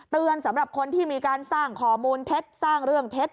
สำหรับคนที่มีการสร้างข้อมูลเท็จสร้างเรื่องเท็จ